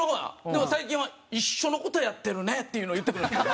でも最近は「一緒の事やってるね」っていうのを言ってくるんですよ。